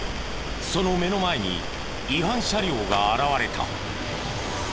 その目の前に違反車両が現れた。